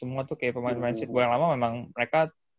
udah banyak sih mereka